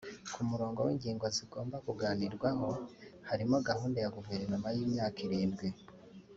Ku murongo w’ingingo zigomba kuganirwaho harimo Gahunda ya Guverinoma y’Imyaka Irindwi